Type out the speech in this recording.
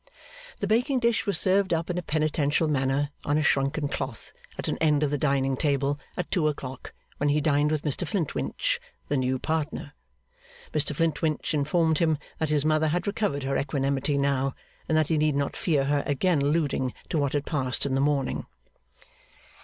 The baking dish was served up in a penitential manner on a shrunken cloth at an end of the dining table, at two o'clock, when he dined with Mr Flintwinch, the new partner. Mr Flintwinch informed him that his mother had recovered her equanimity now, and that he need not fear her again alluding to what had passed in the morning.